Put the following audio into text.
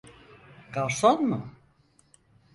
Garson mu?